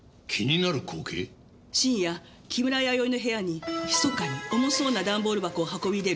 深夜木村弥生の部屋にひそかに重そうな段ボール箱を運び入れる